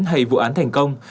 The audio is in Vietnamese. hay vụ án thành công